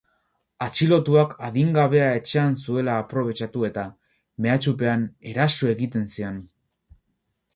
Atxilotuak adingabea etxean zuela aprobetxatu eta, mehatxupean, eraso egiten zion.